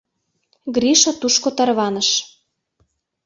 Гриша тушко тарваныш.